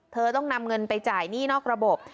เธอต้องนำเงินไปจ่ายหนี้นอกระบบ